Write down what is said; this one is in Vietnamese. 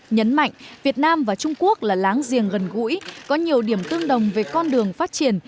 nhấn mạnh việt nam và trung quốc là láng giềng gần gũi có nhiều điểm tương đồng về con đường phát triển